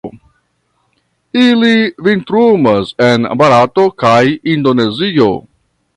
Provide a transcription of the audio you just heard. Ili vintrumas en Barato kaj Indonezio.